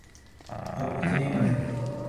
اب اتنے نہیں۔